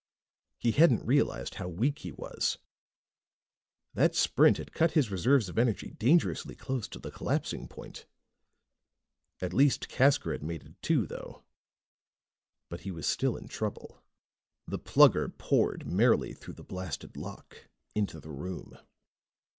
He hadn't realized how weak he was. That sprint had cut his reserves of energy dangerously close to the collapsing point. At least Casker had made it, too, though. But he was still in trouble. The Plugger poured merrily through the blasted lock, into the room.